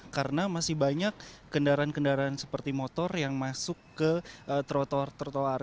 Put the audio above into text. karena masih banyak kendaraan kendaraan seperti motor yang masuk ke trotoar trotoar